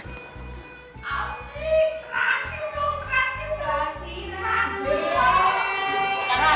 aungieee kerasiung dong kerasiung dong